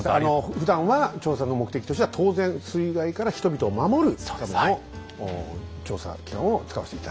ふだんは調査の目的としては当然水害から人々を守るための調査機関を使わせて頂いた。